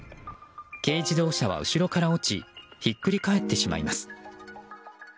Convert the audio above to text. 軽自動車は後ろから落ちひっくり返ってしまいます。